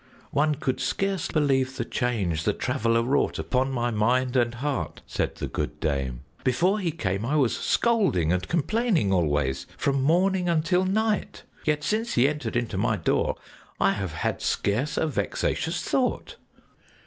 "One could scarce believe the change the Traveler wrought upon my mind and heart," said the good dame. "Before he came, I was scolding and complaining always from morning until night. Yet since he entered into my door, I have had scarce a vexatious thought."